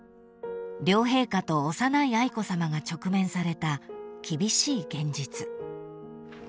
［両陛下と幼い愛子さまが直面された厳しい現実］